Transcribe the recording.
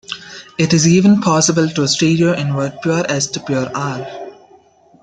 It is even possible to stereoinvert pure S to pure R.